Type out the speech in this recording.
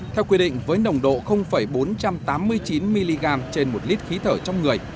theo quy định với nồng độ bốn trăm tám mươi chín mg trên một lít khí thở trong người